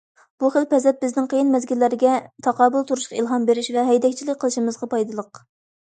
بۇ خىل پەزىلەت بىزنىڭ قىيىن مەزگىللەرگە تاقابىل تۇرۇشقا ئىلھام بېرىش ۋە ھەيدەكچىلىك قىلىشىمىزغا پايدىلىق.